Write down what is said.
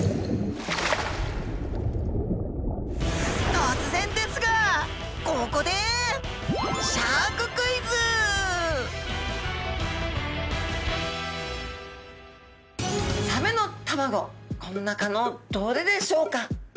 突然ですがここでサメの卵この中のどれでしょうか？